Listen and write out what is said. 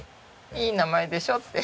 いい名前でしょって。